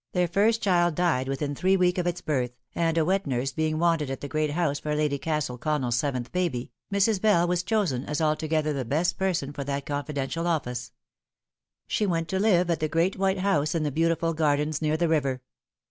s. Their first child died within three week of its birth, and a wet nurse being wanted at the great house for Lady Castle ConnelTs seventh baby, Mrs. Bell was chosen as altogether the best person for that confidential office. She went to live at the great white house in the beautiful gardens near the river.